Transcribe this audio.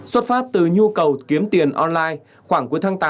xuất phát từ nhu cầu kiếm tiền online khoảng cuối tháng tám